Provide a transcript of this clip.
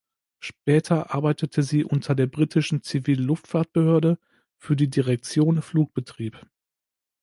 Später arbeitete sie unter der britischen Zivilluftfahrtbehörde für die Direktion Flugbetrieb.